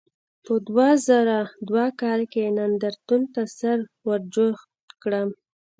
په دوه زره دوه کال کې نندارتون ته سر ورجوت کړم.